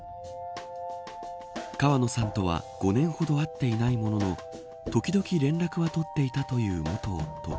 川野さんとは５年ほど会っていないものの時々連絡は取っていたという元夫。